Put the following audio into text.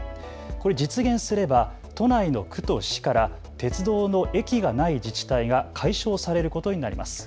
これ、実現すれば都内の区と市から鉄道の駅がない自治体が解消されることになります。